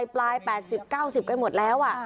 ปลาย๘๐๙๐กันหมดแล้ว